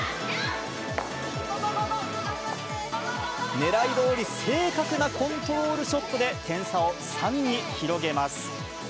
ねらいどおり正確なコントロールショットで点差を３に広げます。